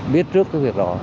biết trước cái việc đó